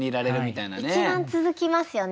一番続きますよね